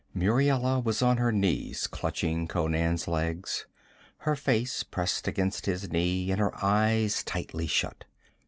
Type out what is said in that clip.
Muriela was on her knees clutching Conan's legs, her face pressed against his knee and her eyes tightly shut.